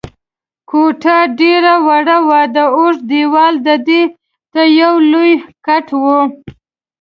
کوټه ډېره وړه وه، د اوږد دېوال ډډې ته یو لوی کټ و.